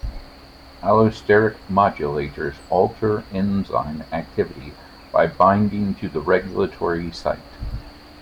Allosteric modulators alter enzyme activity by binding to the regulatory site.